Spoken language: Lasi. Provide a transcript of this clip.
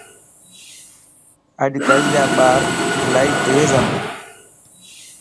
اڄ ڪل جا ٻار الائي تيزائين